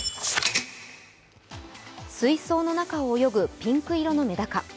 水槽の中を泳ぐピンク色のメダカ。